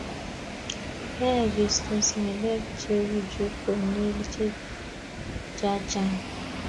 yayagistos ngalek cheuchu konyil chachang